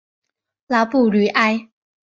拉布吕埃。